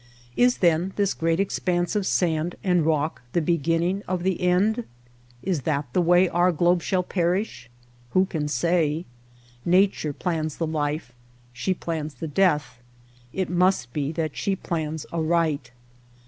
Is then this great expanse of sand and rock the beginning of the end ? Is that the way our globe shall perish ? Who can say ? Nature plans the life, she plans the death ; it must be that she plans aright.